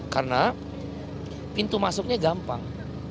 karena pintu masuknya gampang